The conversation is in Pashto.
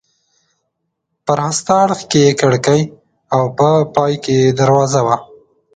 په راسته اړخ کې یې کړکۍ او په پای کې یې دروازه وه.